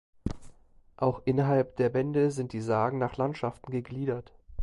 Auch innerhalb der Bände sind die Sagen nach Landschaften gegliedert.